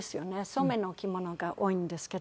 染めの着物が多いんですけど。